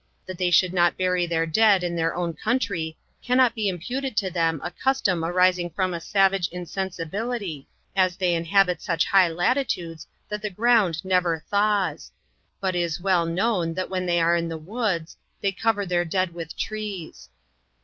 That they should not bury their dead in their own country, cannot be imputed to them a custom arising from a savage insensibility, as they inhabit such high latitudes that the ground never thaws; but is well known, that when they ere in the woods, they cover their dead with tresj.